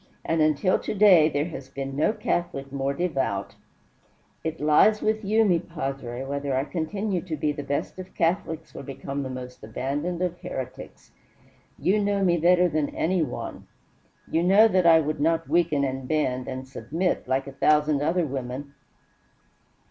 "And until to day there has been no Catholic more devout " "It lies with you, mi padre, whether I continue to be the best of Catholics or become the most abandoned of heretics. You know me better than anyone. You know that I will not weaken and bend and submit, like a thousand other women.